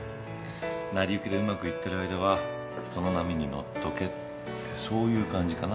成り行きでうまくいってる間はその波に乗っとけってそういう感じかな。